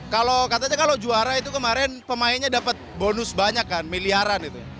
kalau katanya kalau juara itu kemarin pemainnya dapat bonus banyak kan miliaran itu